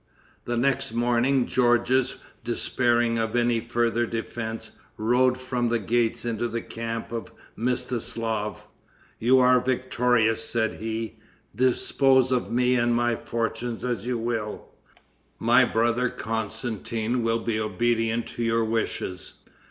The next morning, Georges despairing of any further defense, rode from the gates into the camp of Mstislaf. "You are victorious," said he. "Dispose of me and my fortunes as you will. My brother Constantin will be obedient to your wishes."